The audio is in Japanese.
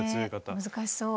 難しそう。